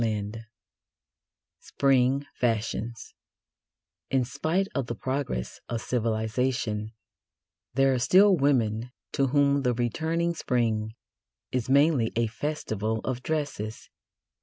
XVI SPRING FASHIONS In spite of the progress of civilisation, there are still women to whom the returning Spring is mainly a festival of dresses.